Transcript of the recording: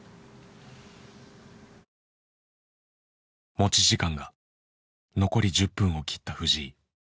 持ち時間が残り１０分を切った藤井。